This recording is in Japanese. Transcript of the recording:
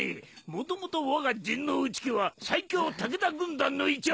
もともとわが陣内家は最強武田軍団の一翼！